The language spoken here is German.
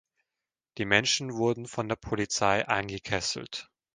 Die Menschen wurden von der Polizei eingekesselt.